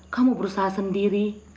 kamu berusaha sendiri